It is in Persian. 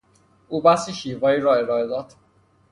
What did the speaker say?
او بحث شیوایی را ارائه داد.